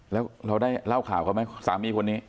แล้วเราได้เล่าข่าวเขาไหมสามีคนนี้